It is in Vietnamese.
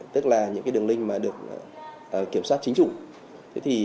tức là những đường link mà được kiểm soát chính chủ